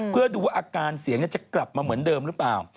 เพื่อดูว่าอาการเสียงจะกลับมาเหมือนเดิมหรือเปล่า